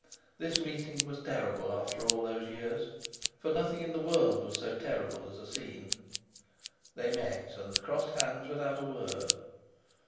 This meeting was terrible after all those years, for nothing in the world was so terrible as a scene. They met and crossed hands without a word.